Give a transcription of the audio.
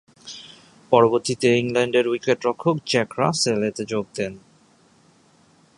পরবর্তীতে ইংল্যান্ডের উইকেট-রক্ষক জ্যাক রাসেল এতে যোগ দেন।